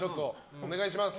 お願いします。